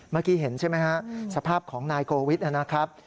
เมื่อกี้เห็นใช่ไหมฮะสภาพของนายโกวิทนะครับ